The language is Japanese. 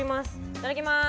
いただきます！